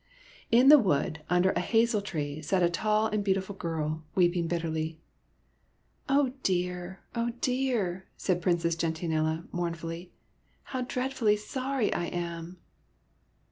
In the wood, under a hazel tree, sat a tall and beautiful girl, weeping bitterly. " Oh dear, oh dear !" said Princess Gentian ella, mournfully. " How dreadfully sorry I am